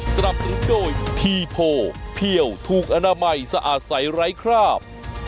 สำหรับที่โปรเพี่ยวถูกอนามัยสะอาดใสไร้คราบ